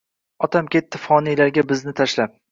Otam ketdi foniylarga bizni tashlab